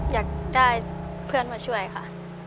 อยากได้เพื่อนมาช่วยค่ะ